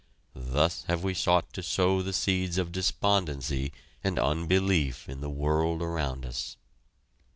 Thus have we sought to sow the seeds of despondency and unbelief in the world around us.